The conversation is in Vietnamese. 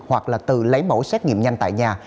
hoặc là tự lấy mẫu xét nghiệm nhanh tại nhà